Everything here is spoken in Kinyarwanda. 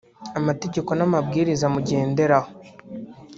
amategeko n’amabwiriza mugenderaho